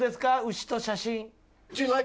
牛と写真」。